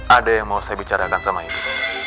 ada yang mau saya bicarakan sama itu